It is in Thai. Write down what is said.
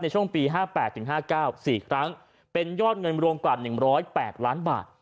ช่วงปี๕๘๕๙๔ครั้งเป็นยอดเงินรวมกว่า๑๐๘ล้านบาท